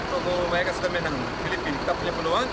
bahwa mereka sudah menang filipina kita punya peluang